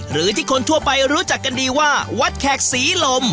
หรือที่คนทั่วไปรู้จักกันดีว่าวัดแขกศรีลม